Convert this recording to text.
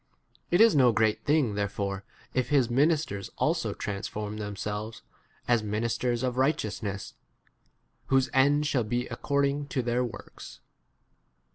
It is no great thing therefore if his minis | ters also transform themselves as ministers of righteousness ; whose end shall be according to their works.